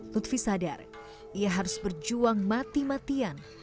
lutfi sadar ia harus berjuang mati matian